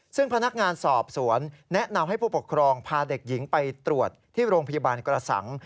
ซึ่งพนักงานสอบสวนแนะนำให้ผู้ปกครองพาเด็กหญิงไปตรวจที่โรงพยาบาลกระสัง